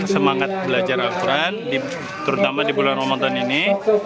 semangat belajar al quran terutama di bulan ramadan ini